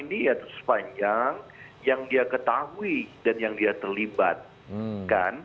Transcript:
pengakuan ini ya itu sepanjang yang dia ketahui dan yang dia terlibatkan